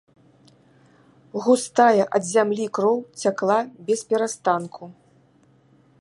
Густая ад зямлі кроў цякла бесперастанку.